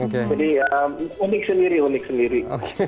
jadi unik sendiri unik sendiri